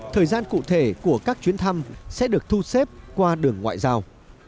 thời gian cụ thể của các chuyến thăm sẽ được thu xếp qua đường ngoại giao